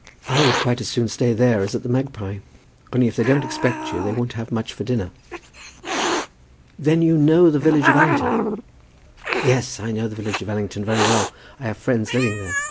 I would quite as soon stay there as at 'The Magpie.' Only if they don't expect you, they wouldn't have much for dinner." "Then you know the village of Allington?" "Yes, I know the village of Allington very well. I have friends living there.